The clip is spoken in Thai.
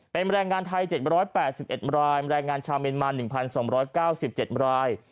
เป็นแบรนด์งานไทย๗๘๑รายแบรนด์งานชาเมนมัน๑๒๙๗ราย